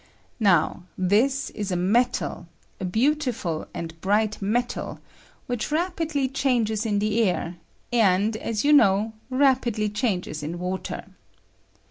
Now this is a metal — a beautiful and bright metal — which J COMBUSTION OP ZINC. [ rapidly changes in the air, and, as you know, rapidly changes in water.